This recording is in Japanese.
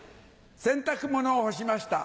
洗濯物を干しました。